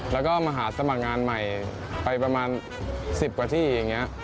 แล้วก็มาหาสมัครงานใหม่ไปประมาณ๑๐กว่าที่อย่างนี้